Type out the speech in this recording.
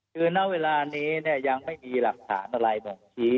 คือณเวลานี้ยังไม่มีหลักฐานอะไรบ่งชี้